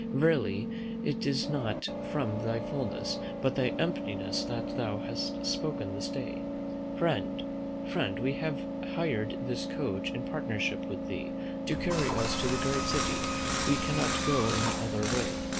Verily, it is not from thy fulness, but thy emptiness that thou hast spoken this day. Friend, friend, we have hired this coach in partnership with thee, to carry us to the great city; we cannot go any other way.